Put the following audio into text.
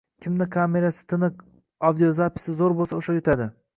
- kimni kamerasi tiniq, audiozapisi zo‘r bo‘lsa o‘sha yutadi.